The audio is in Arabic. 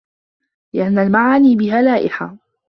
لِأَنَّ الْمَعَانِيَ بِهَا لَائِحَةٌ